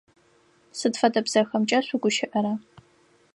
Сыд фэдэ бзэхэмкӏэ шъугущыӏэра?